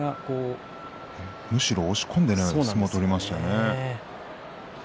むしろ押し込んで相撲を取りましたね。